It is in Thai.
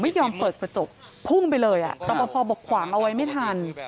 ไม่ยอมเปิดกระจกพุ่งไปเลยรอปภบอกขวางเอาไว้ไม่ทัน